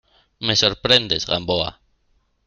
me sorprendes, Gamboa.